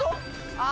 あ！